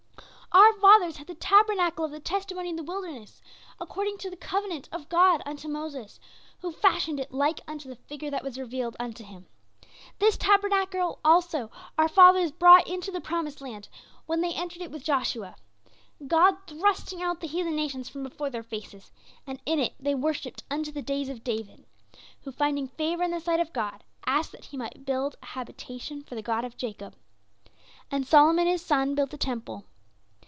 "Our fathers had the tabernacle of the testimony in the wilderness, according to the covenant of God unto Moses, who fashioned it like unto the figure that was revealed unto him. This tabernacle also our fathers brought into the promised land, when they entered it with Joshua, God thrusting out the heathen nations from before their faces, and in it they worshipped unto the days of David, who, finding favor in the sight of God, asked that he might build a habitation for the God of Jacob. And Solomon, his son, built a temple.